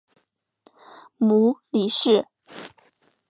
母李氏。